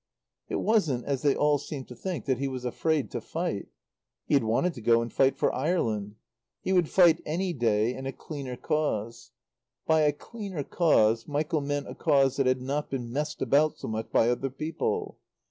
It wasn't as they all seemed to think that he was afraid to fight. He had wanted to go and fight for Ireland. He would fight any day in a cleaner cause. By a cleaner cause Michael meant a cause that had not been messed about so much by other people.